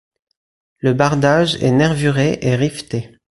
Le bardage est nervuré et riveté.